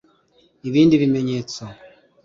Ibindi bimenyetso